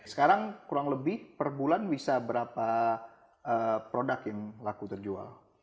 sekarang kurang lebih per bulan bisa berapa produk yang laku terjual